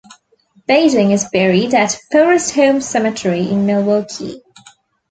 Bading is buried at Forest Home Cemetery in Milwaukee.